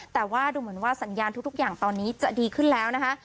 แต่ว่าดูเหมือนว่าสัญญาณทุกอย่างตอนนี้จะดีขึ้นแล้วนะคะ